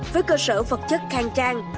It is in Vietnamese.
với cơ sở vật chất khang trang